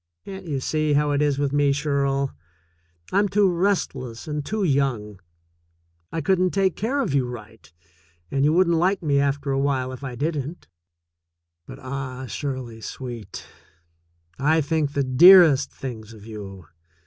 Can't you see how it is with me, Shirl? I'm too restless and too young. I couldn't take care of you right, and you wouldn't like me after a while if I didn^t. 135 136 THE SECOND CHOICE But ah, Shirley sweet, I think the dearest things of you